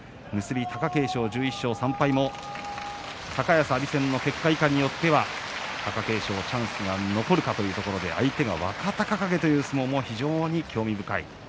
結び、貴景勝１１勝３敗の高安、阿炎戦の結果いかんによっては貴景勝にもチャンスが残るということで相手の若隆景のことも非常に興味深いです。